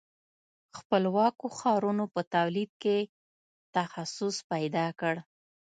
خپلواکو ښارونو په تولید کې تخصص پیدا کړ.